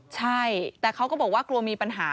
ใช่แต่เขาก็บอกว่ากลัวมีปัญหา